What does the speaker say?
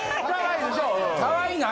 はい。